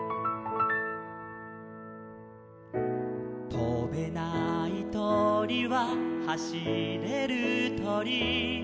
「とべないとりははしれるとり」